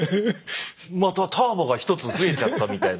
またターボが１つ増えちゃったみたいな。